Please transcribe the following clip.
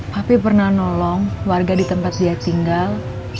tapi pernah nolong warga di tempat dia tinggal